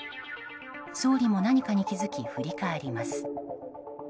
総理も何かに気づき振り返ります。